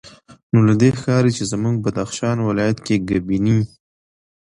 نو له دې ښکاري چې زموږ بدخشان ولایت کې ګبیني